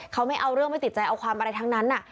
เขาไม่เอาเรื่องไม่ติดใจเอาความอะไรทั้งนั้น